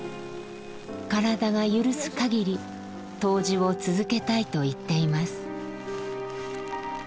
体が許すかぎり杜氏を続けたいと言っています。